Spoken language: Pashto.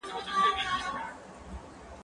زه بايد قلم استعمالوم کړم.